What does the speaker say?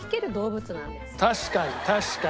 確かに確かに。